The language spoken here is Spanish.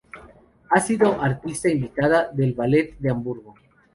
Ha sido artista invitada del Ballet de Hamburgo.